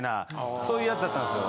そういう奴だったんですよ。